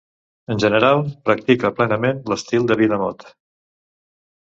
En general, practica plenament l'estil de vida mod.